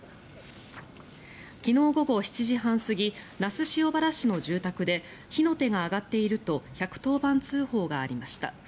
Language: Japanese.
昨日午後７時半過ぎ那須塩原市の住宅で火の手が上がっていると１１０番通報がありました。